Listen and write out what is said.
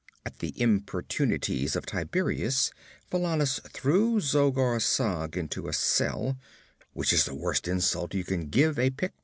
At the importunities of Tiberias, Valannus threw Zogar Sag into a cell, which is the worst insult you can give a Pict.